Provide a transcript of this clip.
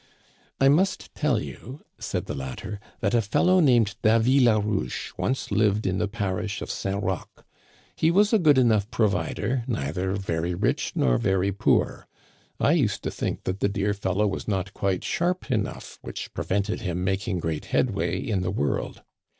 "I must tell you," said the latter, "that a fellow named Davy Larouche once lived in the parish of St. Roch. He was a good enough provider, neither very rich nor very poor. I used to think that the dear fellow was not quite sharp enough, which prevented him mak ing great headway in the world.